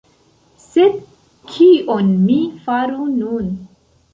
Sed kion mi faru nun?